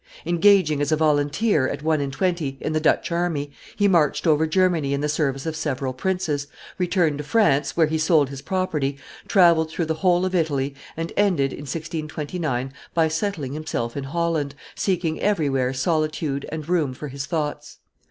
Engaging as a volunteer, at one and twenty, in the Dutch army, he marched over Germany in the service of several princes, returned to France, where he sold his property, travelled through the whole of Italy, and ended, in 1629, by settling himself in Holland, seeking everywhere solitude and room for his thoughts.